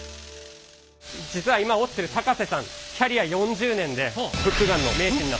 実は今織ってる高瀬さんキャリア４０年でフックガンの名手に。